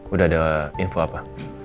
udah ada info apa